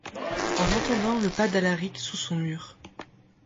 En entendant le pas d’Alaric sous son mur